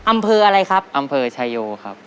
อำเภออะไรครับอำเภอชายโยครับ